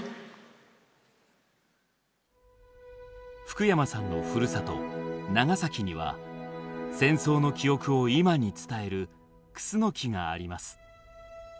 福山さんのふるさと・長崎には戦争の記憶を今に伝える「クスノキ」があります。